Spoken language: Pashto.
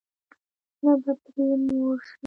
نه به پرې موړ شې.